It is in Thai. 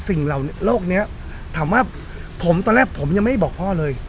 สิ่งเหล่าโลกนี้ถามว่าผมตอนแรกผมยังไม่บอกพ่อเลย